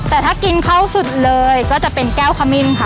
แต่ถ้ากินเข้าสุดเลยก็จะเป็นแก้วขมิ้นค่ะ